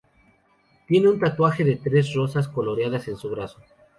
Tiene un tatuaje de tres rosas coloreadas en su brazo.